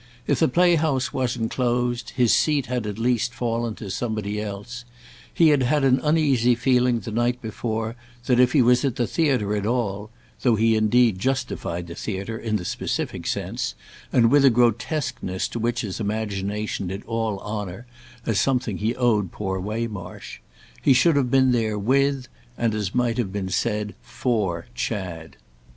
If the playhouse wasn't closed his seat had at least fallen to somebody else. He had had an uneasy feeling the night before that if he was at the theatre at all—though he indeed justified the theatre, in the specific sense, and with a grotesqueness to which his imagination did all honour, as something he owed poor Waymarsh—he should have been there with, and as might have been said, for Chad.